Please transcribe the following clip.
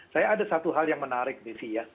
saya ada satu hal yang menarik desi ya